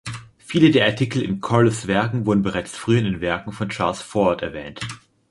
Viele der Artikel in Corliss' Werken wurden bereits früher in den Werken von Charles Fort erwähnt.